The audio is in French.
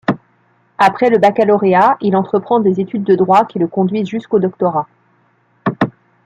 Après le baccalauréat, il entreprend des études de droit qui le conduisent jusqu’au doctorat.